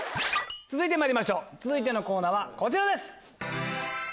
続いてまいりましょう続いてのコーナーはこちらです。